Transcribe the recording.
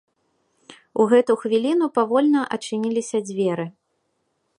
У гэту хвіліну павольна адчыніліся дзверы.